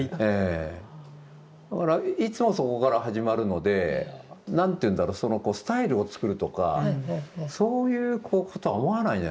だからいつもそこから始まるのでなんて言うんだろうスタイルをつくるとかそういうことは思わないんじゃないですかね。